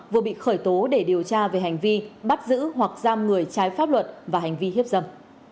vừa bị khởi tố để điều tra về hành vi bắt giữ hoặc giam người trái pháp luật và hành vi hiếp dâm